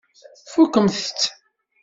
Tfukkemt-tt?